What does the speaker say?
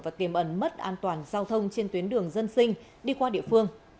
và tiềm ẩn mất an toàn giao thông trên tuyến đường dân sinh đi qua địa phương